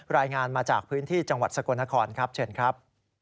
รายงานมาจากพื้นที่จังหวัดสกลนครครับเชิญครับ